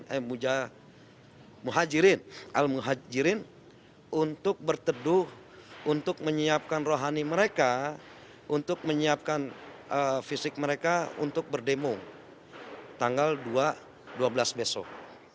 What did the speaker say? al muhajirin untuk berteduh untuk menyiapkan rohani mereka untuk menyiapkan fisik mereka untuk berdemu tanggal dua belas besok